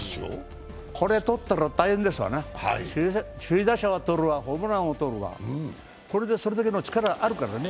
これ取ったら大変ですわな、首位打者は取るわ、ホームランは取るわ、それだけの力、あるからね。